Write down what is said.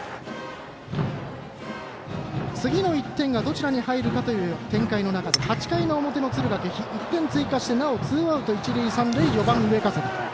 次の１点がどちらに入るかという展開の中で８回の表の敦賀気比１点追加してなおツーアウト、一塁三塁４番、上加世田。